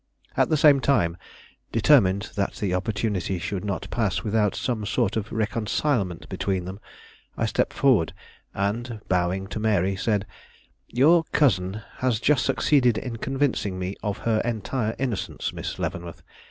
At the same time, determined that the opportunity should not pass without some sort of reconcilement between them, I stepped forward, and, bowing to Mary, said: "Your cousin has just succeeded in convincing me of her entire innocence, Miss Leavenworth.